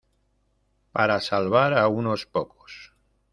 para salvar a unos pocos.